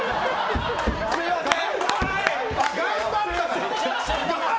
すみません！